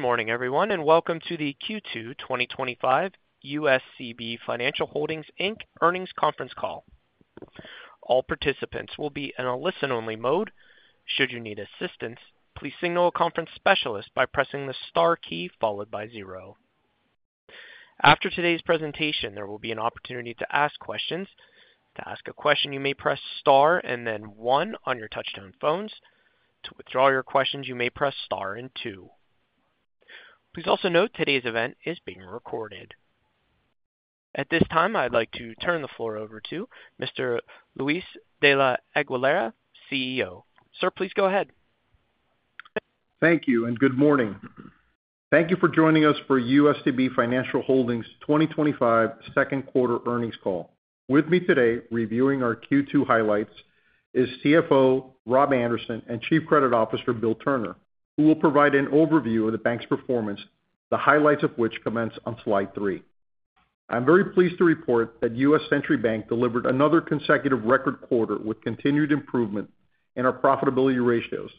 Good morning, everyone, and welcome to the Q2 2025 USCB Financial Holdings, Inc Earnings Conference Call. All participants will be in a listen-only mode. Should you need assistance, please signal a conference specialist by pressing the star key followed by zero. After today's presentation, there will be an opportunity to ask questions. To ask a question, you may press star and then one on your touchtone phones. To withdraw your questions, you may press star and two. Please also note today's event is being recorded. At this time, I'd like to turn the floor over to Mr. Luis de la Aguilera, CEO. Sir, please go ahead. Thank you, and good morning. Thank you for joining us for USCB Financial Holdings 2025 second quarter earnings call. With me today reviewing our Q2 highlights is CFO Rob Anderson and Chief Credit Officer Bill Turner, who will provide an overview of the bank's performance, the highlights of which commence on slide three. I'm very pleased to report that U.S. Century Bank delivered another consecutive record quarter with continued improvement in our profitability ratios,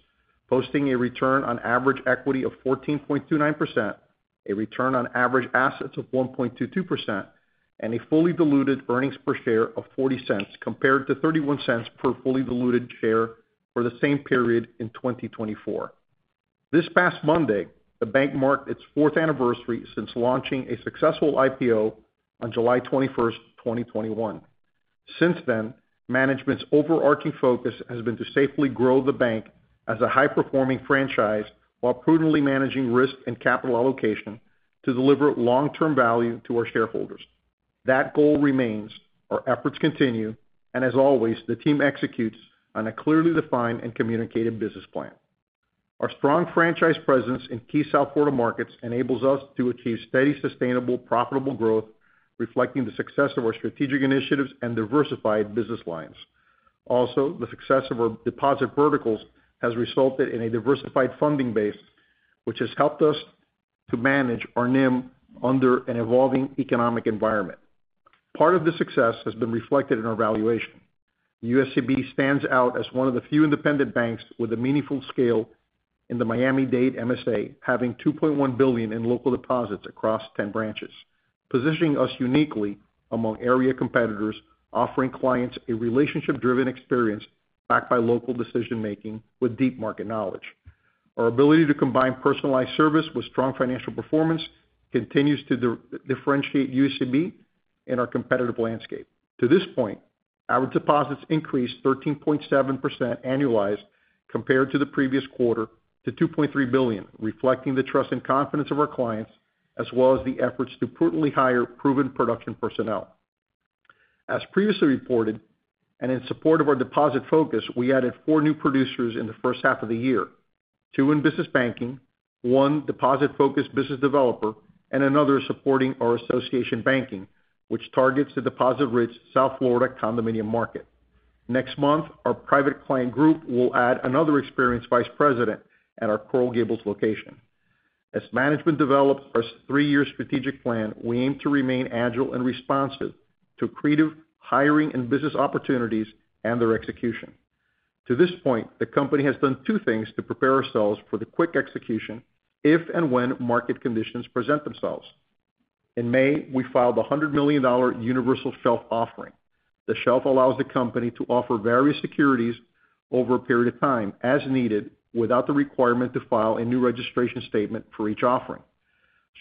posting a return on average equity of 14.29%, a return on average assets of 1.22%, and a fully diluted earnings per share of $0.40 compared to $0.31 per fully diluted share for the same period in 2024. This past Monday, the bank marked its fourth anniversary since launching a successful IPO on July 21st, 2021. Since then, management's overarching focus has been to safely grow the bank as a high-performing franchise while prudently managing risk and capital allocation to deliver long-term value to our shareholders. That goal remains, our efforts continue, and as always, the team executes on a clearly defined and communicated business plan. Our strong franchise presence in key South Florida markets enables us to achieve steady, sustainable, profitable growth, reflecting the success of our strategic initiatives and diversified business lines. Also, the success of our deposit verticals has resulted in a diversified funding base, which has helped us to manage our NIM under an evolving economic environment. Part of this success has been reflected in our valuation. USCB stands out as one of the few independent banks with a meaningful scale in the Miami-Dade MSA, having $2.1 billion in local deposits across 10 branches, positioning us uniquely among area competitors, offering clients a relationship-driven experience backed by local decision-making with deep market knowledge. Our ability to combine personalized service with strong financial performance continues to differentiate USCB in our competitive landscape. To this point, our deposits increased 13.7% annualized compared to the previous quarter to $2.3 billion, reflecting the trust and confidence of our clients, as well as the efforts to prudently hire proven production personnel. As previously reported, and in support of our deposit focus, we added four new producers in the first half of the year: two in business banking, one deposit-focused business developer, and another supporting our association banking, which targets the deposit-rich South Florida condominium market. Next month, our Private Client Group will add another experienced Vice President at our Coral Gables location. As management develops our three-year strategic plan, we aim to remain agile and responsive to creative hiring and business opportunities and their execution. To this point, the company has done two things to prepare ourselves for the quick execution if and when market conditions present themselves. In May, we filed the $100 million universal shelf offering. The shelf allows the company to offer various securities over a period of time as needed without the requirement to file a new registration statement for each offering.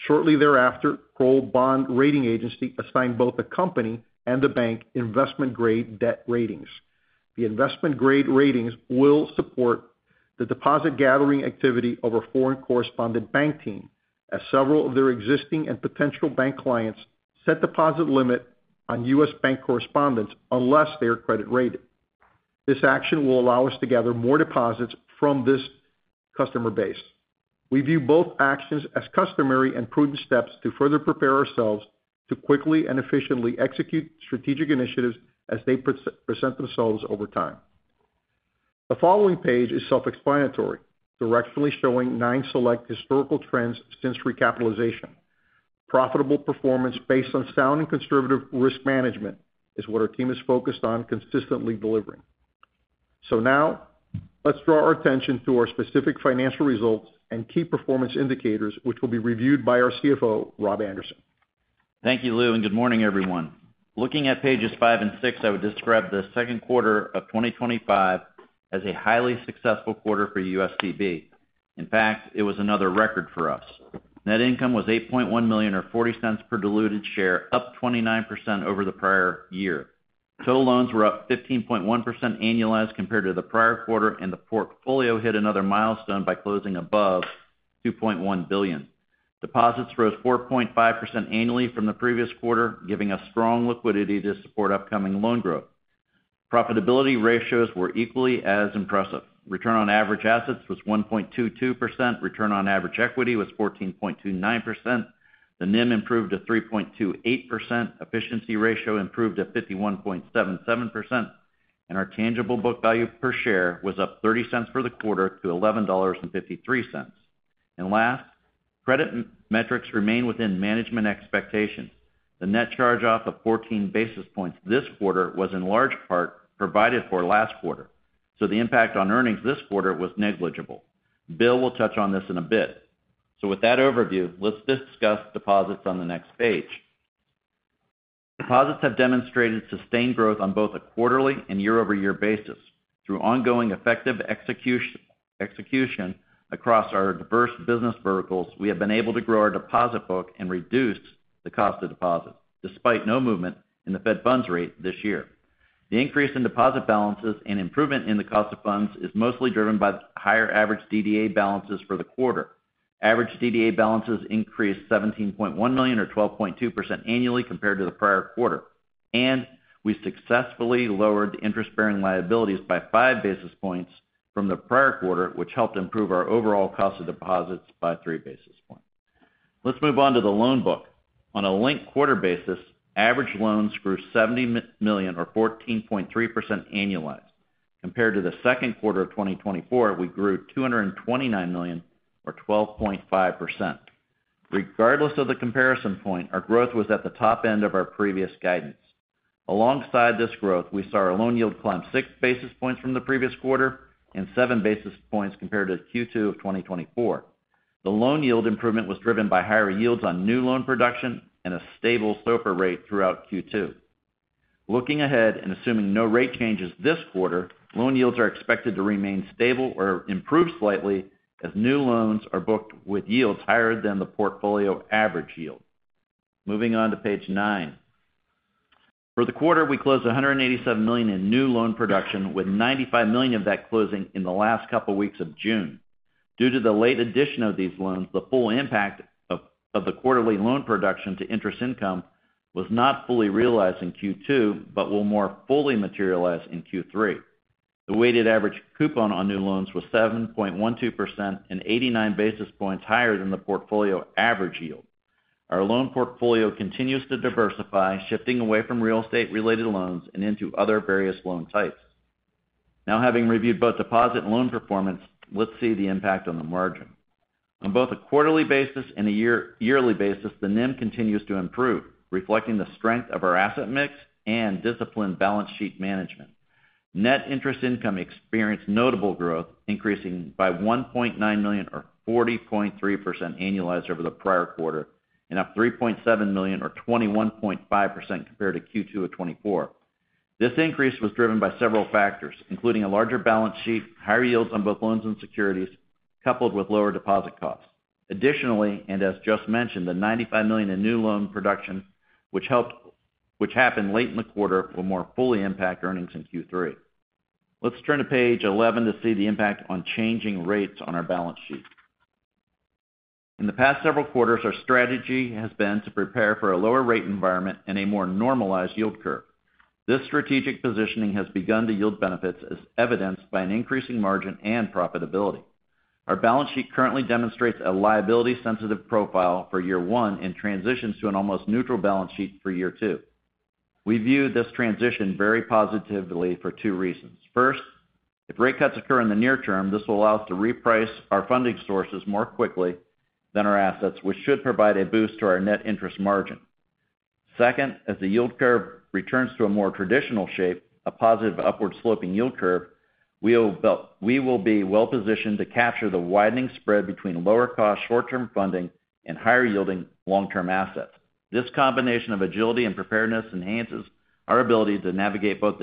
Shortly thereafter, the Kroll Bond Rating Agency assigned both the company and the bank investment-grade debt ratings. The investment-grade ratings will support the deposit-gathering activity of our foreign correspondent bank team, as several of their existing and potential bank clients set deposit limits on U.S. Bank correspondents unless they are credit-rated. This action will allow us to gather more deposits from this customer base. We view both actions as customary and prudent steps to further prepare ourselves to quickly and efficiently execute strategic initiatives as they present themselves over time. The following page is self-explanatory, directionally showing nine select historical trends since recapitalization. Profitable performance based on sound and conservative risk management is what our team is focused on consistently delivering. Now, let's draw our attention to our specific financial results and key performance indicators, which will be reviewed by our CFO, Rob Anderson. Thank you, Lou, and good morning, everyone. Looking at pages five and six, I would describe the second quarter of 2025 as a highly successful quarter for USCB. In fact, it was another record for us. Net income was $8.1 million or $0.40 per diluted share, up 29% over the prior year. Sole loans were up 15.1% annualized compared to the prior quarter, and the portfolio hit another milestone by closing above $2.1 billion. Deposits rose 4.5% annually from the previous quarter, giving us strong liquidity to support upcoming loan growth. Profitability ratios were equally as impressive. Return on average assets was 1.22%, return on average equity was 14.29%. The net interest margin improved to 3.28%, efficiency ratio improved to 51.77%, and our tangible book value per share was up $0.30 for the quarter to $11.53. Last, credit metrics remain within management expectation. The net charge-off of 14 basis points this quarter was in large part provided for last quarter, so the impact on earnings this quarter was negligible. Bill will touch on this in a bit. With that overview, let's discuss deposits on the next page. Deposits have demonstrated sustained growth on both a quarterly and year-over-year basis. Through ongoing effective execution across our diverse business verticals, we have been able to grow our deposit book and reduce the cost of deposits, despite no movement in the Fed funds rate this year. The increase in deposit balances and improvement in the cost of funds is mostly driven by higher average DDA balances for the quarter. Average DDA balances increased $17.1 million or 12.2% annually compared to the prior quarter, and we successfully lowered interest-bearing liabilities by five basis points from the prior quarter, which helped improve our overall cost of deposits by three basis points. Let's move on to the loan book. On a linked quarter basis, average loans grew $70 million or 14.3% annualized. Compared to the second quarter of 2024, we grew $229 million or 12.5%. Regardless of the comparison point, our growth was at the top end of our previous guidance. Alongside this growth, we saw our loan yield climb six basis points from the previous quarter and seven basis points compared to Q2 of 2024. The loan yield improvement was driven by higher yields on new loan production and a stable SOFR rate throughout Q2. Looking ahead and assuming no rate changes this quarter, loan yields are expected to remain stable or improve slightly as new loans are booked with yields higher than the portfolio average yield. Moving on to page nine. For the quarter, we closed $187 million in new loan production, with $95 million of that closing in the last couple of weeks of June. Due to the late addition of these loans, the full impact of the quarterly loan production to interest income was not fully realized in Q2, but will more fully materialize in Q3. The weighted average coupon on new loans was 7.12% and 89 basis points higher than the portfolio average yield. Our loan portfolio continues to diversify, shifting away from real estate-related loans and into other various loan types. Now, having reviewed both deposit and loan performance, let's see the impact on the margin. On both a quarterly basis and a yearly basis, the net interest margin continues to improve, reflecting the strength of our asset mix and disciplined balance sheet management. Net interest income experienced notable growth, increasing by $1.9 million or 40.3% annualized over the prior quarter and up $3.7 million or 21.5% compared to Q2 of 2024. This increase was driven by several factors, including a larger balance sheet, higher yields on both loans and securities, coupled with lower deposit costs. Additionally, and as just mentioned, the $95 million in new loan production, which happened late in the quarter, will more fully impact earnings in Q3. Let's turn to page 11 to see the impact on changing rates on our balance sheet. In the past several quarters, our strategy has been to prepare for a lower rate environment and a more normalized yield curve. This strategic positioning has begun to yield benefits, as evidenced by an increasing margin and profitability. Our balance sheet currently demonstrates a liability-sensitive profile for year one and transitions to an almost neutral balance sheet for year two. We view this transition very positively for two reasons. First, if rate cuts occur in the near term, this will allow us to reprice our funding sources more quickly than our assets, which should provide a boost to our net interest margin. Second, as the yield curve returns to a more traditional shape, a positive upward sloping yield curve, we will be well-positioned to capture the widening spread between lower-cost short-term funding and higher-yielding long-term assets. This combination of agility and preparedness enhances our ability to navigate both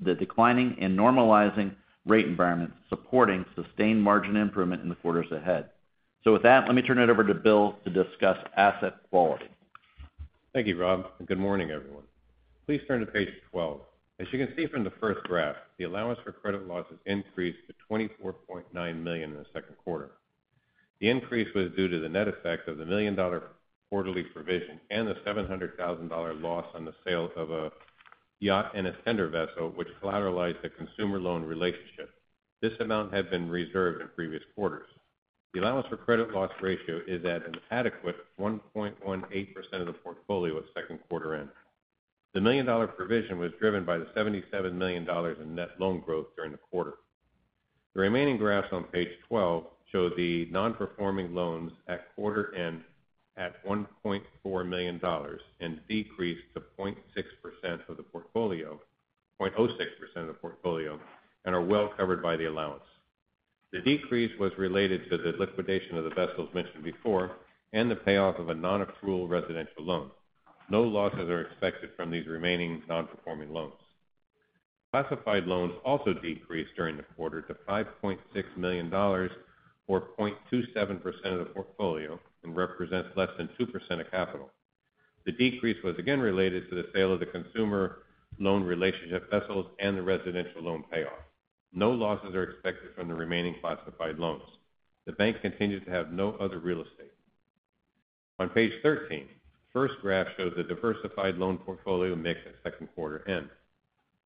the declining and normalizing rate environments, supporting sustained margin improvement in the quarters ahead. Let me turn it over to Bill to discuss asset quality. Thank you, Rob, and good morning, everyone. Please turn to page 12. As you can see from the first graph, the allowance for credit losses increased to $24.9 million in the second quarter. The increase was due to the net effect of the $1 million quarterly provision and the $700,000 loss on the sale of a yacht and a tender vessel, which collateralized the consumer loan relationship. This amount had been reserved in previous quarters. The allowance for credit loss ratio is at an adequate 1.18% of the portfolio at second quarter end. The $1 million provision was driven by the $77 million in net loan growth during the quarter. The remaining graphs on page 12 show the non-performing loans at quarter end at $1.4 million and decreased to 0.06% of the portfolio, and are well covered by the allowance. The decrease was related to the liquidation of the vessels mentioned before and the payoff of a non-accrual residential loan. No losses are expected from these remaining non-performing loans. Classified loans also decreased during the quarter to $5.6 million or 0.27% of the portfolio and represent less than 2% of capital. The decrease was again related to the sale of the consumer loan relationship vessels and the residential loan payoff. No losses are expected from the remaining classified loans. The bank continues to have no other real estate. On page 13, the first graph shows the diversified loan portfolio mix at second quarter end.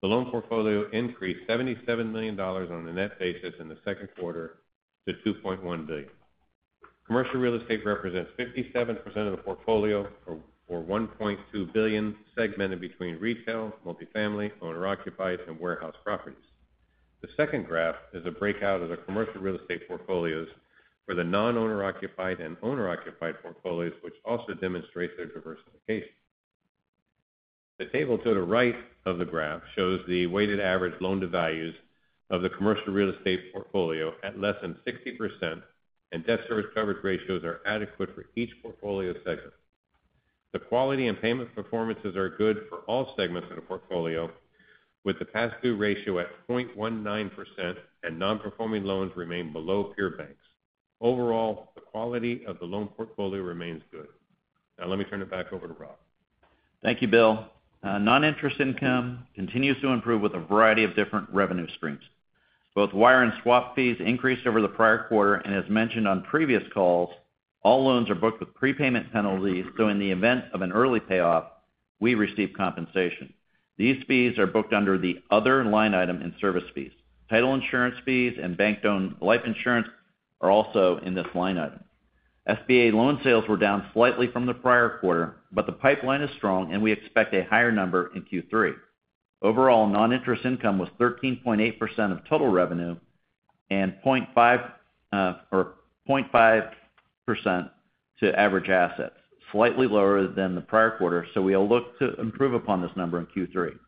The loan portfolio increased $77 million on the net basis in the second quarter to $2.1 billion. Commercial real estate represents 57% of the portfolio or $1.2 billion, segmented between retail, multifamily, owner-occupied, and warehouse properties. The second graph is a breakout of the commercial real estate portfolios for the non-owner-occupied and owner-occupied portfolios, which also demonstrate their diversification. The table to the right of the graph shows the weighted average loan-to-values of the commercial real estate portfolio at less than 60%, and debt service coverage ratios are adequate for each portfolio segment. The quality and payment performances are good for all segments of the portfolio, with the pass-through ratio at 0.19%, and non-performing loans remain below peer banks. Overall, the quality of the loan portfolio remains good. Now, let me turn it back over to Rob. Thank you, Bill. Non-interest income continues to improve with a variety of different revenue streams. Both wire and swap fees increased over the prior quarter, and as mentioned on previous calls, all loans are booked with prepayment penalties, so in the event of an early payoff, we receive compensation. These fees are booked under the other line item in service fees. Title insurance fees and bank-owned life insurance are also in this line item. SBA loan sales were down slightly from the prior quarter, but the pipeline is strong, and we expect a higher number in Q3. Overall, non-interest income was 13.8% of total revenue and 0.5% to average assets, slightly lower than the prior quarter, so we will look to improve upon this number in Q3.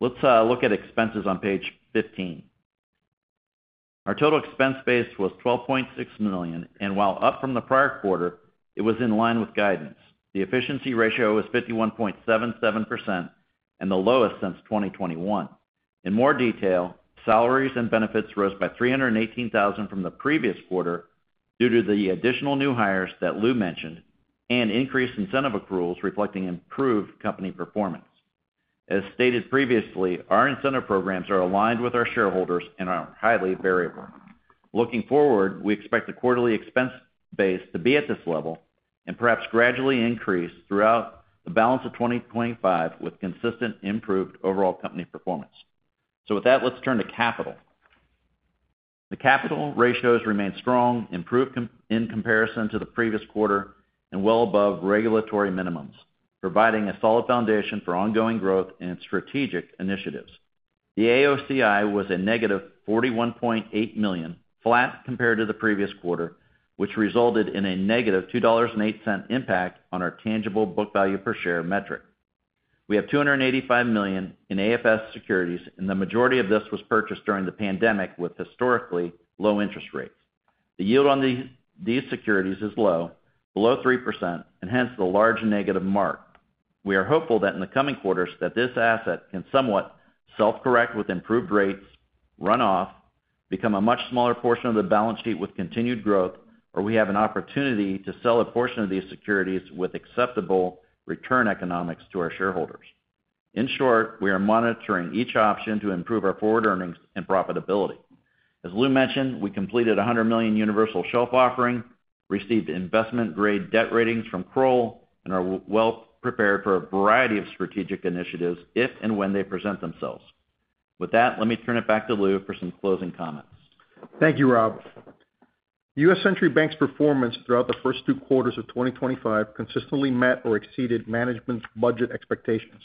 Let's look at expenses on page 15. Our total expense base was $12.6 million, and while up from the prior quarter, it was in line with guidance. The efficiency ratio was 51.77% and the lowest since 2021. In more detail, salaries and benefits rose by $318,000 from the previous quarter due to the additional new hires that Lou mentioned and increased incentive accruals, reflecting improved company performance. As stated previously, our incentive programs are aligned with our shareholders and are highly variable. Looking forward, we expect the quarterly expense base to be at this level and perhaps gradually increase throughout the balance of 2025 with consistent improved overall company performance. Let's turn to capital. The capital ratios remain strong, improved in comparison to the previous quarter, and well above regulatory minimums, providing a solid foundation for ongoing growth and strategic initiatives. The AOCI was a negative $41.8 million, flat compared to the previous quarter, which resulted in a -$2.08 impact on our tangible book value per share metric. We have $285 million in AFS securities, and the majority of this was purchased during the pandemic with historically low interest rates. The yield on these securities is low, below 3%, and hence the large negative mark. We are hopeful that in the coming quarters this asset can somewhat self-correct with improved rates, run off, become a much smaller portion of the balance sheet with continued growth, or we have an opportunity to sell a portion of these securities with acceptable return economics to our shareholders. In short, we are monitoring each option to improve our forward earnings and profitability. As Lou mentioned, we completed a $100 million universal shelf offering, received investment-grade debt ratings from Kroll, and are well prepared for a variety of strategic initiatives if and when they present themselves. With that, let me turn it back to Lou for some closing comments. Thank you, Rob. U.S. Century Bank's performance throughout the first two quarters of 2025 consistently met or exceeded management's budget expectations.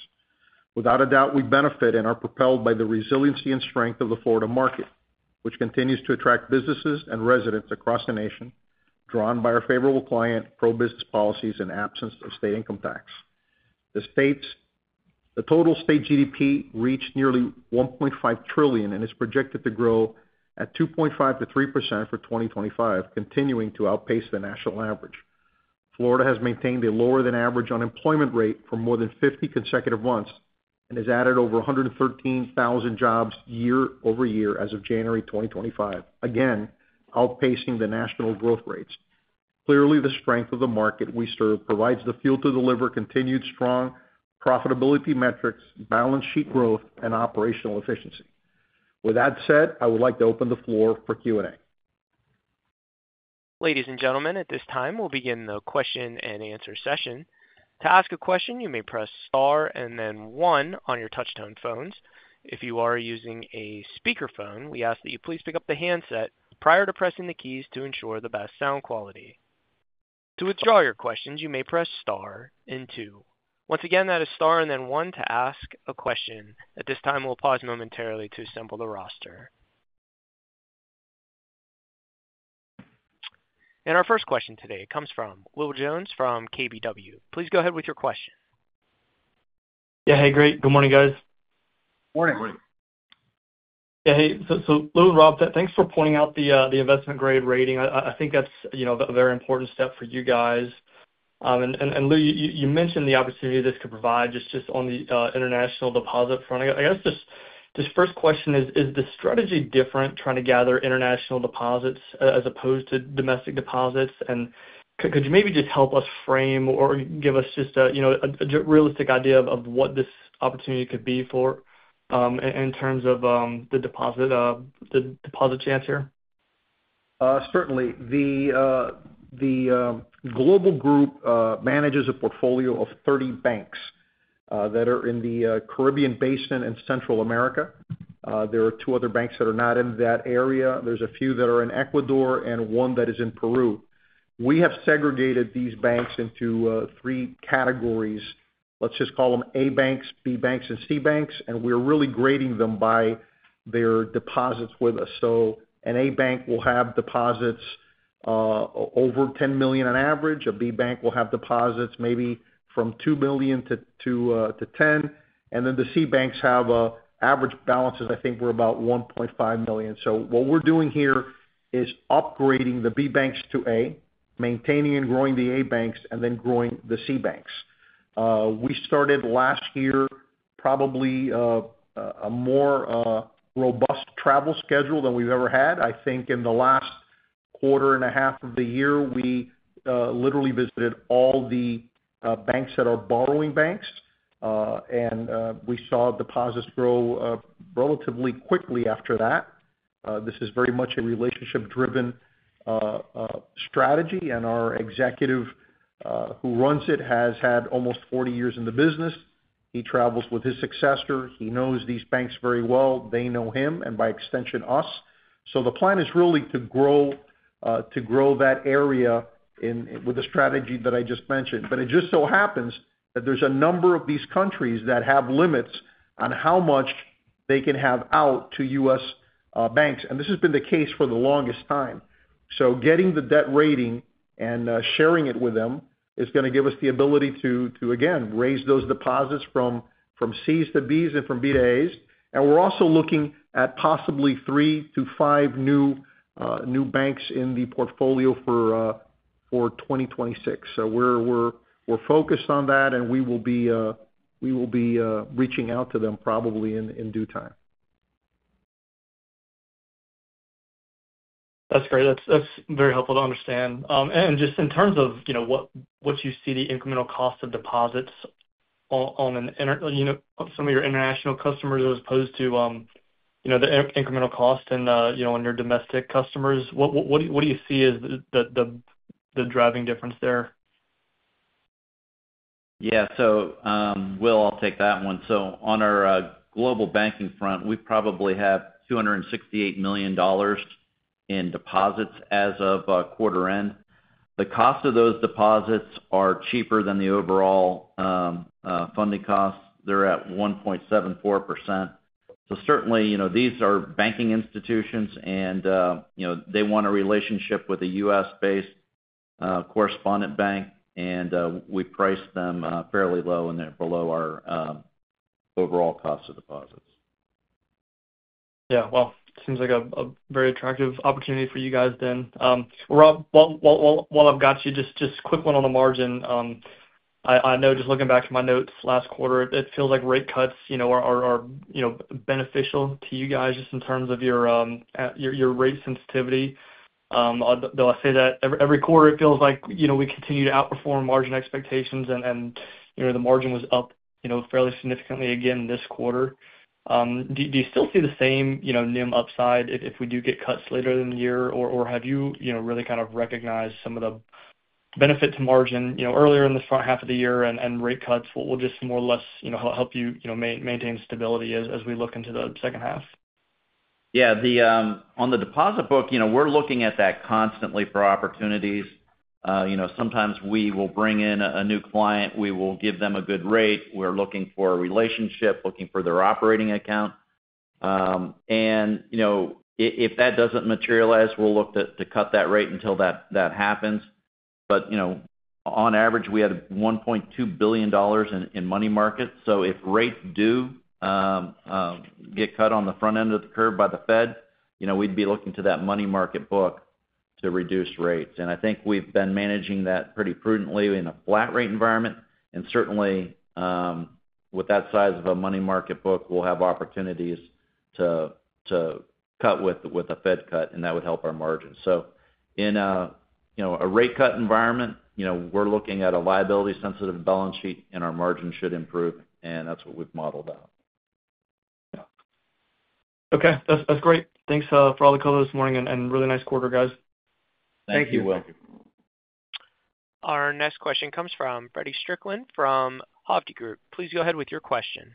Without a doubt, we benefit and are propelled by the resiliency and strength of the Florida market, which continues to attract businesses and residents across the nation, drawn by our favorable client pro-business policies and absence of state income tax. The total state GDP reached nearly $1.5 trillion and is projected to grow at 2.5% to 3% for 2025, continuing to outpace the national average. Florida has maintained a lower-than-average unemployment rate for more than 50 consecutive months and has added over 113,000 jobs year-over-year as of January 2025, again outpacing the national growth rates. Clearly, the strength of the market we serve provides the fuel to deliver continued strong profitability metrics, balance sheet growth, and operational efficiency. With that said, I would like to open the floor for Q&A. Ladies and gentlemen, at this time, we'll begin the question and answer session. To ask a question, you may press star and then one on your touchtone phones. If you are using a speakerphone, we ask that you please pick up the handset prior to pressing the keys to ensure the best sound quality. To withdraw your questions, you may press star and two. Once again, that is star and then one to ask a question. At this time, we'll pause momentarily to assemble the roster. Our first question today comes from Will Jones from KBW. Please go ahead with your question. Yeah, hey, great. Good morning, guys. Morning. Morning. Yeah, hey, so Lou and Rob, thanks for pointing out the investment-grade rating. I think that's a very important step for you guys. Lou, you mentioned the opportunity this could provide just on the international deposit front. I guess this first question is, is the strategy different trying to gather international deposits as opposed to domestic deposits? Could you maybe just help us frame or give us just a realistic idea of what this opportunity could be for in terms of the deposit chance here? Certainly. The Global Group manages a portfolio of 30 banks that are in the Caribbean basin and Central America. There are two other banks that are not in that area. There are a few that are in Ecuador and one that is in Peru. We have segregated these banks into three categories. Let's just call them A banks, B banks, and C banks, and we're really grading them by their deposits with us. An A bank will have deposits over $10 million on average. A B bank will have deposits maybe from $2 million to $10 million. The C banks have average balances, I think, were about $1.5 million. What we're doing here is upgrading the B banks to A, maintaining and growing the A banks, and then growing the C banks. We started last year probably a more robust travel schedule than we've ever had. I think in the last quarter and a half of the year, we literally visited all the banks that are borrowing banks, and we saw deposits grow relatively quickly after that. This is very much a relationship-driven strategy, and our executive who runs it has had almost 40 years in the business. He travels with his successor. He knows these banks very well. They know him and by extension us. The plan is really to grow that area with the strategy that I just mentioned. It just so happens that there are a number of these countries that have limits on how much they can have out to U.S. banks, and this has been the case for the longest time. Getting the debt rating and sharing it with them is going to give us the ability to, again, raise those deposits from C's to B's and from B to A's. We are also looking at possibly three to five new banks in the portfolio for 2026. We are focused on that, and we will be reaching out to them probably in due time. That's great. That's very helpful to understand. In terms of what you see the incremental cost of deposits on some of your international customers as opposed to the incremental cost on your domestic customers, what do you see as the driving difference there? Yeah, Will, I'll take that one. On our global banking front, we probably have $268 million in deposits as of quarter end. The cost of those deposits are cheaper than the overall funding costs. They're at 1.74%. These are banking institutions, and they want a relationship with a U.S.-based correspondent bank. We price them fairly low, and they're below our overall cost of deposits. Yeah, it seems like a very attractive opportunity for you guys then. Rob, while I've got you, just a quick one on the margin. I know just looking back at my notes last quarter, it feels like rate cuts, you know, are beneficial to you guys just in terms of your rate sensitivity. Though I say that every quarter, it feels like we continue to outperform margin expectations, and the margin was up fairly significantly again this quarter. Do you still see the same NIM upside if we do get cuts later in the year, or have you really kind of recognized some of the benefit to margin earlier in the front half of the year and rate cuts will just more or less help you maintain stability as we look into the second half? Yeah, on the deposit book, we're looking at that constantly for opportunities. Sometimes we will bring in a new client. We will give them a good rate. We're looking for a relationship, looking for their operating account. If that doesn't materialize, we'll look to cut that rate until that happens. On average, we had $1.2 billion in money markets. If rates do get cut on the front end of the curve by the Fed, we'd be looking to that money market book to reduce rates. I think we've been managing that pretty prudently in a flat-rate environment. Certainly, with that size of a money market book, we'll have opportunities to cut with a Fed cut, and that would help our margins. In a rate cut environment, we're looking at a liability-sensitive balance sheet, and our margins should improve, and that's what we've modeled out. Okay, that's great. Thanks for all the color this morning and really nice quarter, guys. Thank you, Will. Our next question comes from Feddie Strickland from Hovde Group. Please go ahead with your question.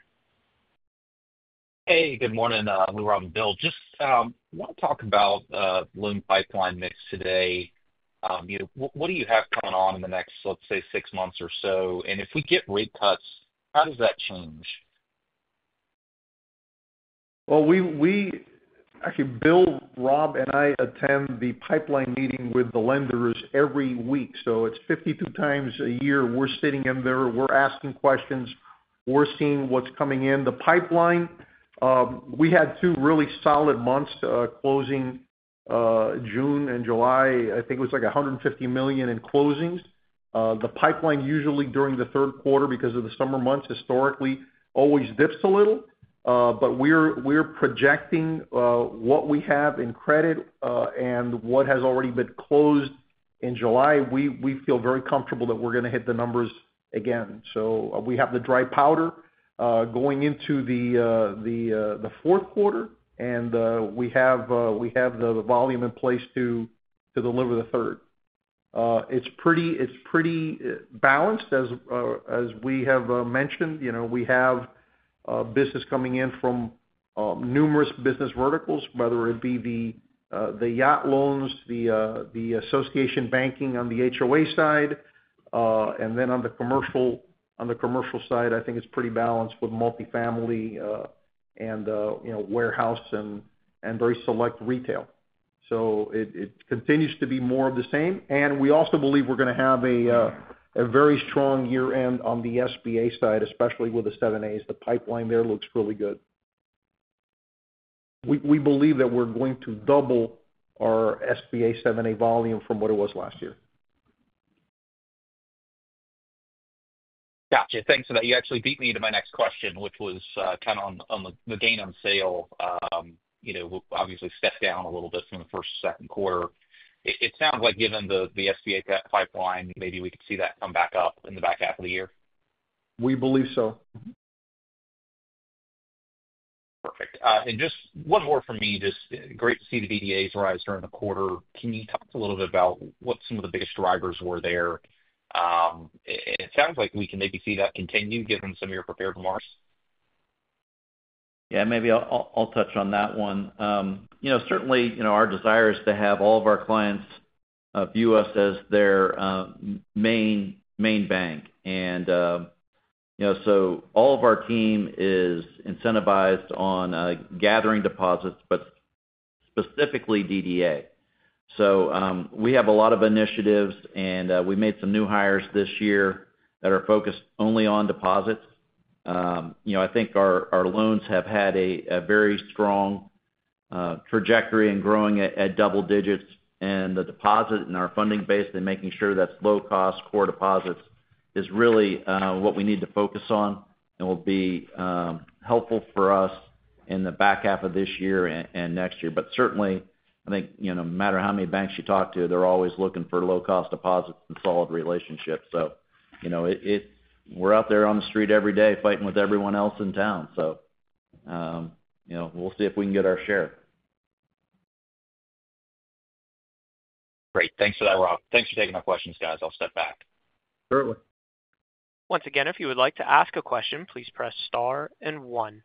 Hey, good morning, Will, Rob, and Bill. Just want to talk about loan pipeline mix today. You know, what do you have going on in the next, let's say, six months or so? If we get rate cuts, how does that change? Bill, Rob, and I attend the pipeline meeting with the lenders every week. It's 52 times a year. We're sitting in there, we're asking questions, we're seeing what's coming in the pipeline. We had two really solid months closing June and July. I think it was like $150 million in closings. The pipeline usually during the third quarter because of the summer months historically always dips a little. We're projecting what we have in credit and what has already been closed in July. We feel very comfortable that we're going to hit the numbers again. We have the dry powder going into the fourth quarter, and we have the volume in place to deliver the third. It's pretty balanced, as we have mentioned. We have business coming in from numerous business verticals, whether it be the yacht loans, the association banking on the HOA side, and then on the commercial side, I think it's pretty balanced with multifamily and warehouse and very select retail. It continues to be more of the same. We also believe we're going to have a very strong year-end on the SBA side, especially with the 7(a)s. The pipeline there looks really good. We believe that we're going to double our SBA 7(a) volume from what it was last year. Got you. Thanks for that. You actually beat me into my next question, which was kind of on the gain on sale. You know, obviously stepped down a little bit from the first to second quarter. It sounds like given the SBA pipeline, maybe we could see that come back up in the back half of the year. We believe so. Perfect. Just one more for me. It's great to see the BDAs rise during the quarter. Can you talk a little bit about what some of the biggest drivers were there? It sounds like we can maybe see that continue given some of your prepared remarks. Maybe I'll touch on that one. Certainly, our desire is to have all of our clients view us as their main bank. All of our team is incentivized on gathering deposits, specifically DDA. We have a lot of initiatives, and we made some new hires this year that are focused only on deposits. I think our loans have had a very strong trajectory in growing at double digits, and the deposit in our funding base, making sure that's low-cost core deposits, is really what we need to focus on and will be helpful for us in the back half of this year and next year. Certainly, I think no matter how many banks you talk to, they're always looking for low-cost deposits and solid relationships. We're out there on the street every day fighting with everyone else in town. We'll see if we can get our share. Great. Thanks for that, Rob. Thanks for taking my questions, guys. I'll step back. Certainly. Once again, if you would like to ask a question, please press star and one.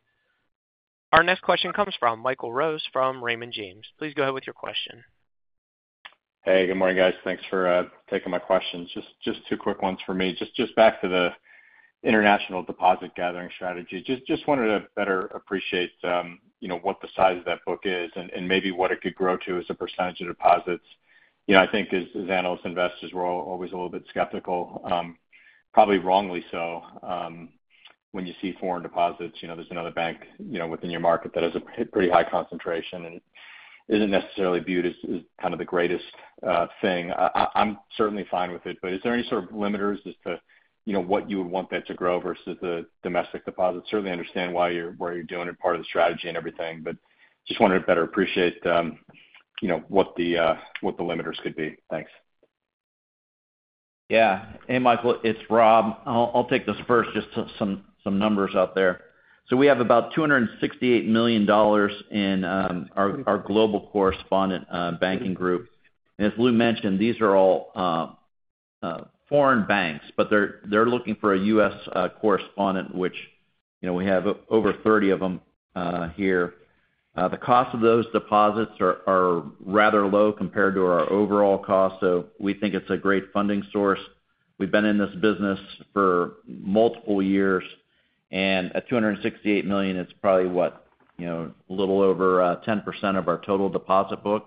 Our next question comes from Michael Rose from Raymond James. Please go ahead with your question. Hey, good morning, guys. Thanks for taking my questions. Just two quick ones for me. Back to the international deposit gathering strategy. I just wanted to better appreciate what the size of that book is and maybe what it could grow to as a percentage of deposits. I think as analysts and investors, we're all always a little bit skeptical, probably wrongly so. When you see foreign deposits, there's another bank within your market that has a pretty high concentration and isn't necessarily viewed as kind of the greatest thing. I'm certainly fine with it, but is there any sort of limiters as to what you would want that to grow versus the domestic deposits? I certainly understand why you're doing it, part of the strategy and everything, but just wanted to better appreciate what the limiters could be. Thanks. Yeah. Hey, Michael, it's Rob. I'll take this first, just some numbers out there. We have about $268 million in our global correspondent banking group. As Lou mentioned, these are all foreign banks, but they're looking for a U.S. correspondent, which, you know, we have over 30 of them here. The cost of those deposits are rather low compared to our overall cost, so we think it's a great funding source. We've been in this business for multiple years, and at $268 million, it's probably, what, you know, a little over 10% of our total deposit book.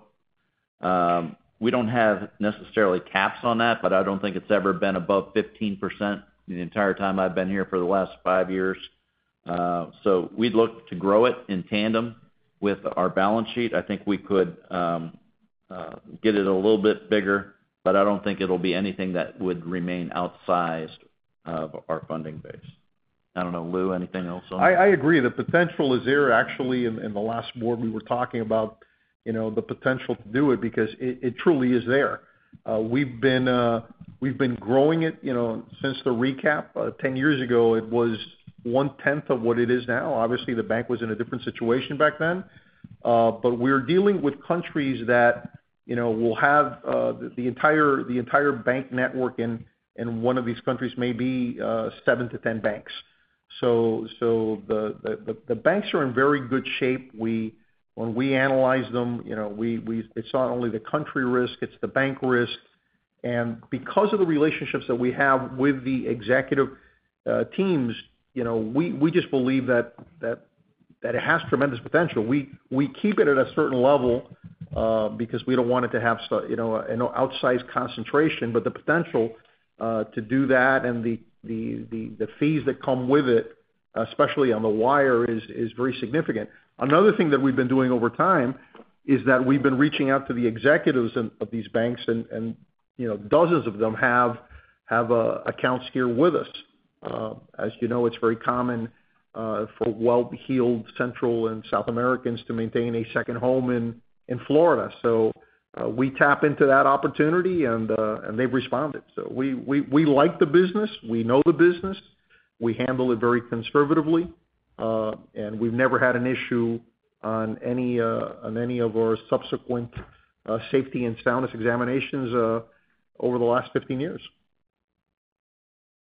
We don't have necessarily caps on that, but I don't think it's ever been above 15% the entire time I've been here for the last five years. We'd look to grow it in tandem with our balance sheet. I think we could get it a little bit bigger, but I don't think it'll be anything that would remain outsized of our funding base. I don't know, Lou, anything else on that? I agree. The potential is there, actually, in the last board we were talking about the potential to do it because it truly is there. We've been growing it since the recap. 10 years ago, it was one-tenth of what it is now. Obviously, the bank was in a different situation back then, but we're dealing with countries that will have the entire bank network, and one of these countries may be seven to 10 banks. The banks are in very good shape. When we analyze them, it's not only the country risk, it's the bank risk. Because of the relationships that we have with the executive teams, we just believe that it has tremendous potential. We keep it at a certain level because we don't want it to have an outsized concentration, but the potential to do that and the fees that come with it, especially on the wire, is very significant. Another thing that we've been doing over time is that we've been reaching out to the executives of these banks, and dozens of them have accounts here with us. As you know, it's very common for well-heeled Central and South Americans to maintain a second home in Florida. We tap into that opportunity, and they've responded. We like the business. We know the business. We handle it very conservatively, and we've never had an issue on any of our subsequent safety and soundness examinations over the last 15 years.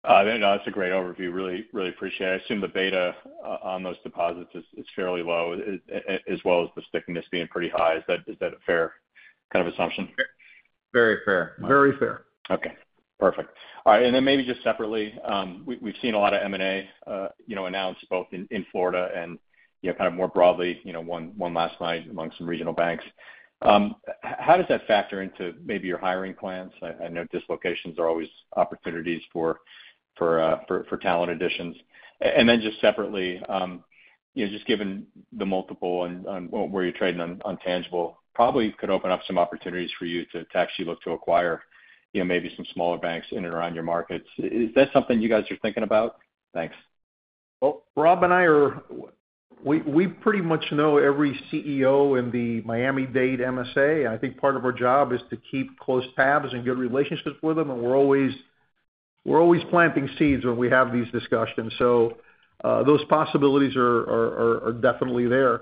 I think that's a great overview. Really, really appreciate it. I assume the beta on those deposits is fairly low, as well as the stickiness being pretty high. Is that a fair kind of assumption? Very fair. Very fair. Okay, perfect. All right. Maybe just separately, we've seen a lot of M&A announced both in Florida and kind of more broadly, you know, one last night among some regional banks. How does that factor into maybe your hiring plans? I know dislocations are always opportunities for talent additions. Just separately, you know, just given the multiple and where you're trading on tangible, probably could open up some opportunities for you to actually look to acquire, you know, maybe some smaller banks in and around your markets. Is that something you guys are thinking about? Thanks. Rob and I pretty much know every CEO in the Miami-Dade MSA. I think part of our job is to keep close tabs and good relationships with them, and we're always planting seeds when we have these discussions. Those possibilities are definitely there.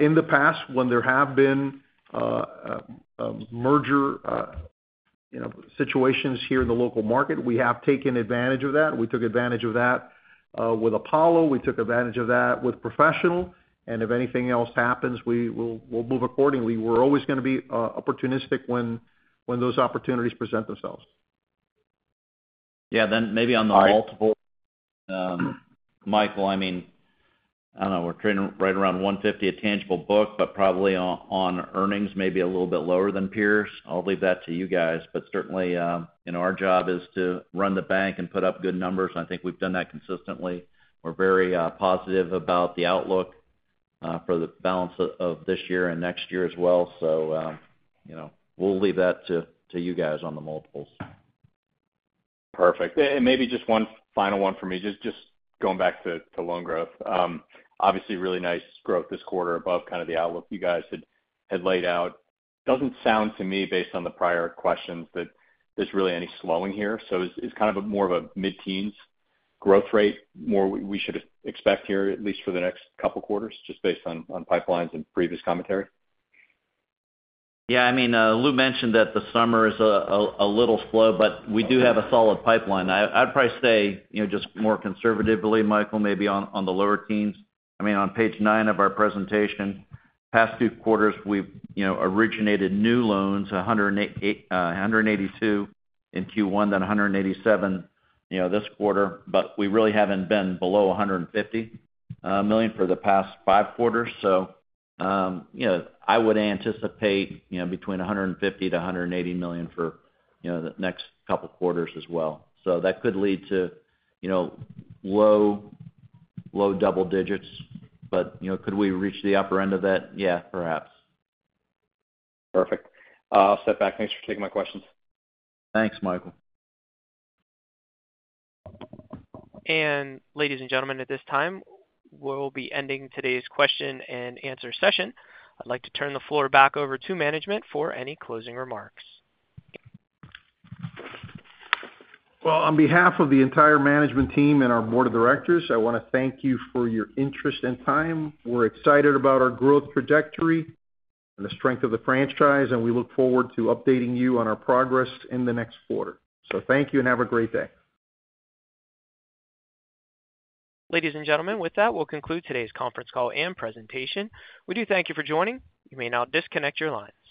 In the past, when there have been merger situations here in the local market, we have taken advantage of that. We took advantage of that with Apollo. We took advantage of that with Professional. If anything else happens, we'll move accordingly. We're always going to be opportunistic when those opportunities present themselves. Yeah, maybe on the multiple, Michael, I mean, I don't know, we're trading right around $150 a tangible book, but probably on earnings, maybe a little bit lower than peers. I'll leave that to you guys, but certainly, you know, our job is to run the bank and put up good numbers, and I think we've done that consistently. We're very positive about the outlook for the balance of this year and next year as well. We'll leave that to you guys on the multiples. Perfect. Maybe just one final one for me, just going back to loan growth. Obviously, really nice growth this quarter above kind of the outlook you guys had laid out. It doesn't sound to me, based on the prior questions, that there's really any slowing here. Is kind of more of a mid-teens growth rate more we should expect here, at least for the next couple of quarters, just based on pipelines and previous commentary? Yeah, I mean, Lou mentioned that the summer is a little slow, but we do have a solid pipeline. I'd probably say, you know, just more conservatively, Michael, maybe on the lower teens. I mean, on page nine of our presentation, the past two quarters, we've, you know, originated new loans, $182 million in Q1, then $187 million, you know, this quarter, but we really haven't been below $150 million for the past five quarters. I would anticipate, you know, between $150 million to $180 million for, you know, the next couple of quarters as well. That could lead to, you know, low double digits, but, you know, could we reach the upper end of that? Yeah, perhaps. Perfect. I'll step back. Thanks for taking my questions. Thanks, Michael. Ladies and gentlemen, at this time, we'll be ending today's question and answer session. I'd like to turn the floor back over to management for any closing remarks. On behalf of the entire management team and our Board of Directors, I want to thank you for your interest and time. We're excited about our growth trajectory and the strength of the franchise, and we look forward to updating you on our progress in the next quarter. Thank you and have a great day. Ladies and gentlemen, with that, we'll conclude today's conference call and presentation. We do thank you for joining. You may now disconnect your lines.